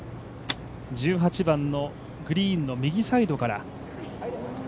１８番のグリーンの右サイドから。